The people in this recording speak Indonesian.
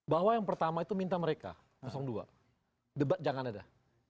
bahwa yang pertama itu minta mereka dua debat jangan ada